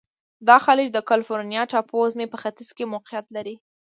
دا خلیج د کلفورنیا ټاپو وزمي په ختیځ کې موقعیت لري.